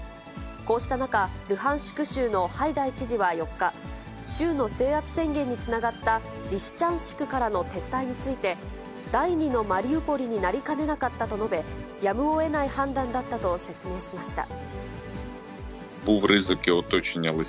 こうした中、ルハンシク州のハイダイ知事は４日、州の制圧宣言につながった、リシチャンシクからの撤退について、第２のマリウポリになりかねなかったと述べ、やむをえない判断だったと説明しました。